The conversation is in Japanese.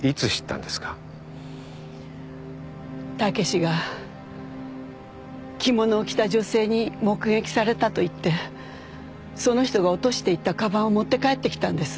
武史が着物を着た女性に目撃されたと言ってその人が落としていったかばんを持って帰ってきたんです。